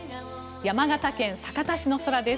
山形県酒田市の空です。